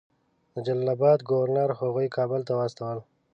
د جلال آباد ګورنر هغوی کابل ته واستول.